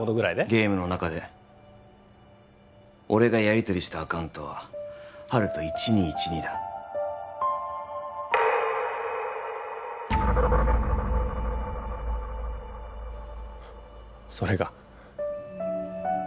ゲームの中で俺がやりとりしたアカウントは「ｈａｒｕｔｏ１２１２」だそれが？